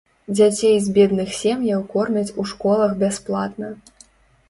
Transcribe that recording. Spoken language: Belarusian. Дзяцей з бедных сем'яў кормяць у школах бясплатна.